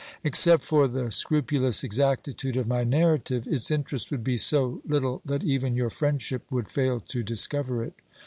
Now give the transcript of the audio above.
Except for the scrupulous exactitude of my narrative, its interest would be so little that even your friendship would fail to discover it.